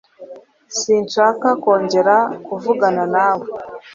Sinshaka kongera kuvugana nawe.